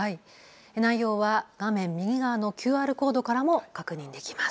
内容は画面右側のＱＲコードからも確認できます。